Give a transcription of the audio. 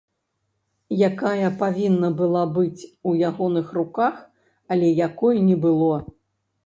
Якая павінна была быць у ягоных руках, але якой не было.